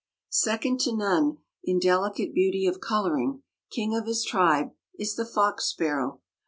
Second to none in delicate beauty of coloring, king of his tribe, is the fox sparrow.